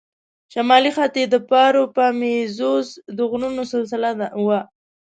شمالي خط یې د پاروپامیزوس د غرونو سلسله وه.